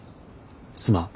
すまん。